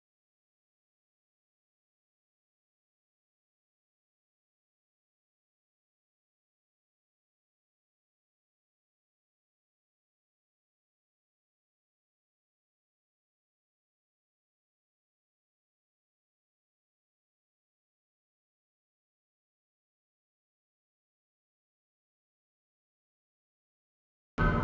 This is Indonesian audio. aku mau masuk